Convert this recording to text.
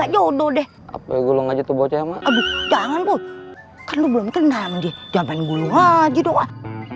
jodoh deh apa gulung aja tuh bocah jangan gue kan belum kenal aja doang jangan